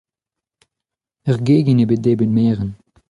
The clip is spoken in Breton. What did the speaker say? Er gegin eo bet debret merenn.